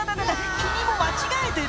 君も間違えてる！」